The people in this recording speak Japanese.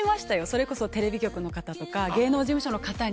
それこそテレビ局の方とか芸能事務所の方に。